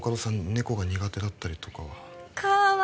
猫が苦手だったりとかは？